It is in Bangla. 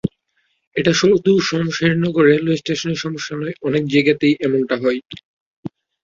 এটা শুধু শমশেরনগর রেলওয়ে স্টেশনের সমস্যা নয়, অনেক জায়গাতেই এমনটা হয়।